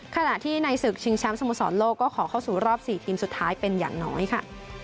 ขณะที่ในศึกชิงแชมป์สโมสรโลกก็ขอเข้าสู่รอบ๔ทีมสุดท้ายเป็นอย่างน้อยค่ะ